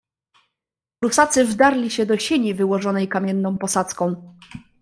"Prusacy wdarli się do sieni, wyłożonej kamienną posadzką."